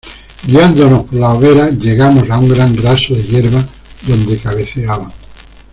guiándonos por las hogueras, llegamos a un gran raso de yerba donde cabeceaban